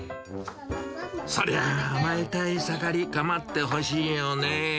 それは甘えたい盛り、かまってほしいよね。